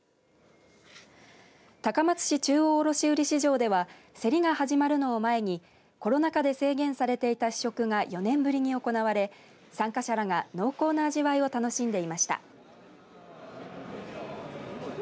高松市中央卸売市場では競りが始まるのを前にコロナ禍で制限されていた試食が４年ぶりに行われ参加者らが濃厚な味わいを楽しんでいました。